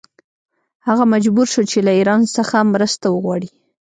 هغه مجبور شو چې له ایران څخه مرسته وغواړي.